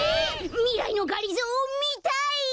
みらいのがりぞーみたい！